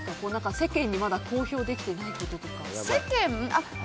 世間にまだ公表できてないこととか。